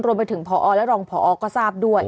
รวมไปถึงพอและรองพอก็ทราบด้วย